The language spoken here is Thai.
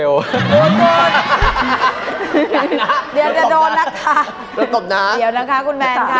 โอ้โธ่เดี๋ยวจะโดนนะคะเดี๋ยวนะคะคุณแมนค่ะ